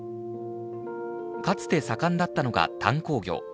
かつて盛んだったのが、炭鉱業。